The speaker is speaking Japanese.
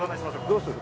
どうする？